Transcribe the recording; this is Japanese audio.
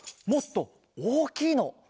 もっとおおきいの。